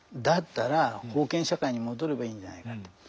だったら封建社会に戻ればいいんじゃないかって。